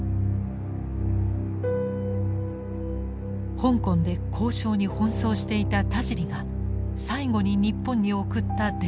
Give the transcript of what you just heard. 香港で交渉に奔走していた田尻が最後に日本に送った電報です。